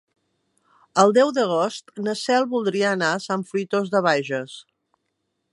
El deu d'agost na Cel voldria anar a Sant Fruitós de Bages.